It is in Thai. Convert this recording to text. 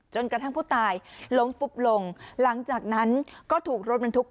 กระทั่งผู้ตายล้มฟุบลงหลังจากนั้นก็ถูกรถบรรทุก